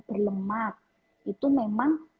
berlemak itu memang